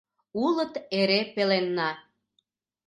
Улыт эре пеленна.